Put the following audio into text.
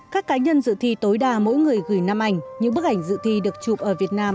các cá nhân dự thi tối đa mỗi người gửi năm ảnh những bức ảnh dự thi được chụp ở việt nam